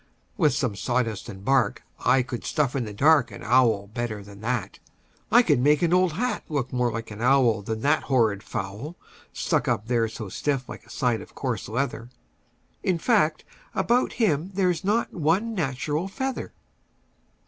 "With some sawdust and bark I could stuff in the dark An owl better than that. I could make an old hat Look more like an owl Than that horrid fowl, Stuck up there so stiff like a side of coarse leather. In fact, about him there's not one natural feather."